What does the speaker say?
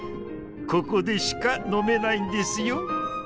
ここでしか飲めないんですよ。